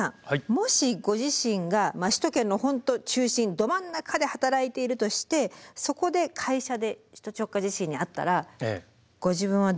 もしご自身が首都圏の本当中心ど真ん中で働いているとしてそこで会社で首都直下地震に遭ったらご自分はどうなると思いますか？